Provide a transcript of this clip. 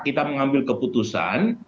kita mengambil keputusan